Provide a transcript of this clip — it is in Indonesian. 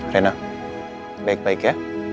rena baik baik ya